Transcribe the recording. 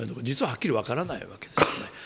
はっきり分からないわけです。